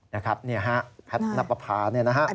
นะครับแพทนัปภานี่นะครับ